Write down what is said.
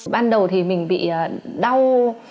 ban đầu thì mình bị đau